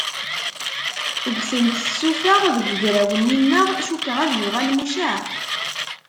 Ggtent tsufaɣ deg ugraw-nni-nneɣ, cukkeɣ ad yuɣal mucaɛ.